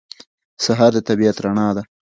سهار د طبیعت رڼا ده.